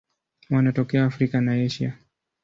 Wanatokea Afrika na Asia.